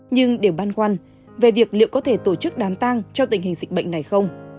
nhưng điều băn khoăn về việc liệu có thể tổ chức đám tang cho tình hình dịch bệnh này không